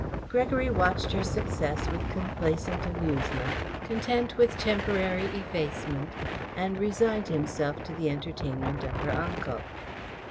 Gregory watched her success with complacent amusement, content with temporary effacement, and resigned himself to the entertainment of her uncle.